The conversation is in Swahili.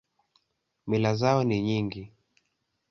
Mila zao ni nyingi.